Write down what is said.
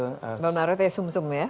bone marrow itu ya sum sum ya